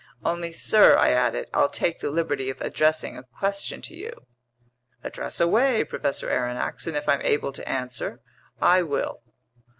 "Only, sir," I added, "I'll take the liberty of addressing a question to you." "Address away, Professor Aronnax, and if I'm able to answer, I will."